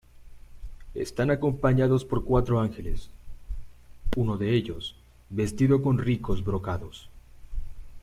Están acompañados por cuatro ángeles, uno de ellos vestido con ricos brocados.